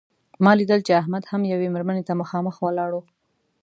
ما لیدل چې احمد هم یوې مېرمنې ته مخامخ ولاړ و.